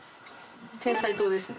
てんさい糖ですね。